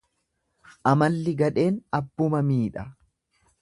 Amalli gadheen abbuma miidha.